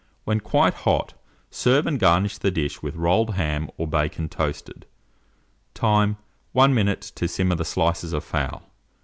When quite hot, serve, and garnish the dish with rolled ham or bacon toasted. Time. 1 minute to simmer the slices of fowl.